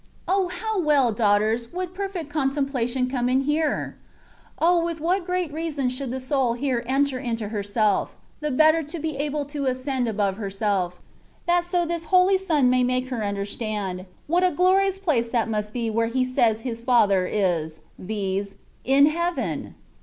O! how well, daughters, would perfect contemplation come in here ! O ! with what great reason should the soul here enter into herself, the better to be able to ascend above herself, that so this Holy Son may make her understand, what a glorious place that must be where He says His Father is, viz., in Heaven